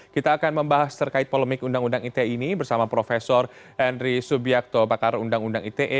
kita akan membahas terkait polemik undang undang ite ini bersama prof henry subiakto bakar undang undang ite